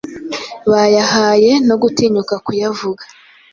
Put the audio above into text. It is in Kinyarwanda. bayahaye, no gutinya kuyavuga